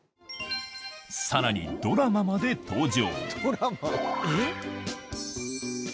さらにドラマまで登場。